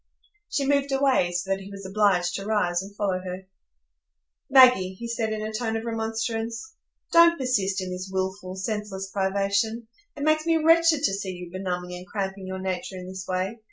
She moved away, so that he was obliged to rise and follow her. "Maggie," he said, in a tone of remonstrance, "don't persist in this wilful, senseless privation. It makes me wretched to see you benumbing and cramping your nature in this way.